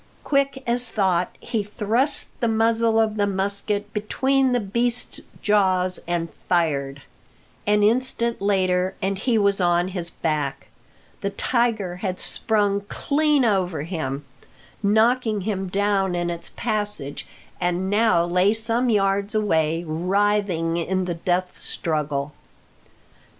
Quick as thought he thrust the muzzle of the musket between the beast's jaws and fired. An instant later and he was on his back. The tiger had sprung clean over him, knocking him down in its passage, and now lay some yards away, writhing in the death struggle.